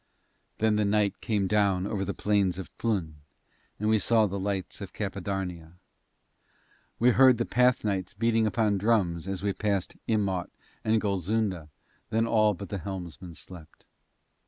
Then the night came down over the plains of Tlun, and we saw the lights of Cappadarnia. We heard the Pathnites beating upon drums as we passed Imaut and Golzunda, then all but the helmsman slept.